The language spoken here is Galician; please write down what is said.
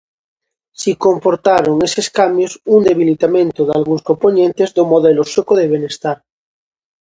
Si comportaron eses cambios un debilitamento dalgúns compoñentes do modelo sueco de benestar.